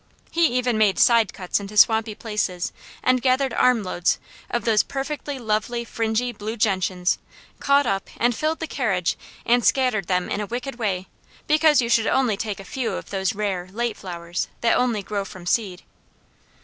He even made side cuts into swampy places and gathered armloads of those perfectly lovely, fringy blue gentians, caught up, and filled the carriage and scattered them in a wicked way, because you should only take a few of those rare, late flowers that only grow from seed.